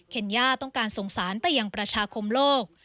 เคนียร์ต้องการสงสารไปยังประชาคมโลก